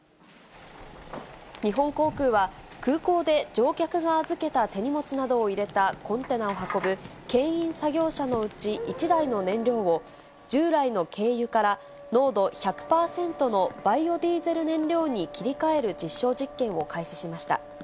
日本航空は、空港で乗客が預けた手荷物などを入れたコンテナを運ぶけん引作業車のうち、１台の燃料を、従来の軽油から、濃度１００％のバイオディーゼル燃料に切り替える実証実験を開始しました。